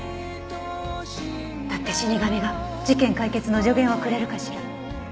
だって死神が事件解決の助言をくれるかしら？